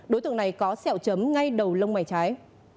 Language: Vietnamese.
đối tượng này có sẹo chấm ngay đầu lông mày trái